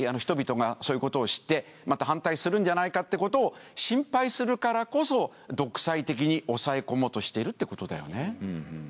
人々がそういうことを知ってまた反対するんじゃないかってことを心配するからこそ独裁的に押さえ込もうとしてるってことだよね。